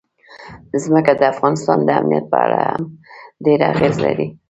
ځمکه د افغانستان د امنیت په اړه هم ډېر اغېز لري.